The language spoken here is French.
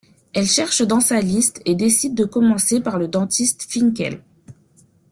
Elle cherche dans sa liste et décide de commencer par le dentiste Finkel.